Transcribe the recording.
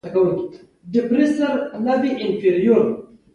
خوځښت یوازې فزیکي نه، فکري هم دی.